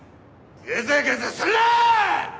グズグズするな！！